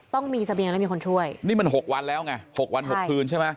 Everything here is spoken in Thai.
ต้องมีเสบียงแล้วมีคนช่วยนี่มัน๖วันแล้วไงหกวันหกคืนใช่ไหม